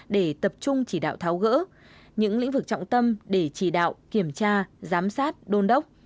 để tập trung chỉ đạo tháo gỡ những lĩnh vực trọng tâm để chỉ đạo kiểm tra giám sát đôn đốc